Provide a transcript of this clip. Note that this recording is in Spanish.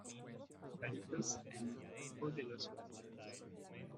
los palitos en el hueco de los palitos.